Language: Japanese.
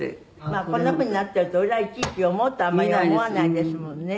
まあこんな風になってると裏いちいち読もうとあんまり思わないですものね。